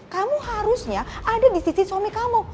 kamu harusnya ada di sisi suami kamu